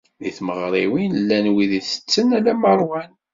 Di tmeɣriwin, llan wid itetten alamma ṛwan.